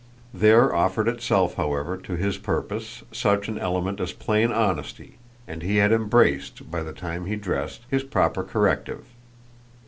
There offered itself however to his purpose such an element as plain honesty, and he had embraced, by the time he dressed, his proper corrective.